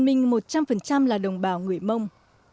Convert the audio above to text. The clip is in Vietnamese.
còn mình một trăm linh là đồng bào người mông